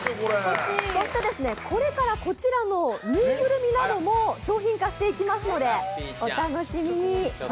これからこちらのぬいぐるみなども商品化していきますのでお楽しみに。